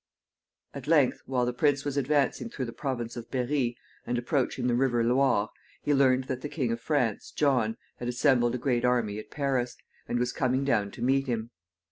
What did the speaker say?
At length, while the prince was advancing through the province of Berri, and approaching the River Loire, he learned that the King of France, John, had assembled a great army at Paris, and was coming down to meet him.